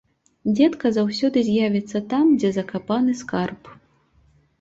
Дзедка заўсёды з'явіцца там, дзе закапаны скарб.